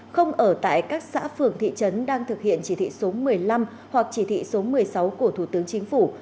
không ở tại các xã phường thị trấn đang thực hiện chỉ thị số một mươi năm hoặc chỉ thị số một mươi sáu của thủ tướng chính phủ